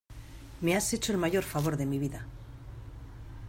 me has hecho el mayor favor de mi vida.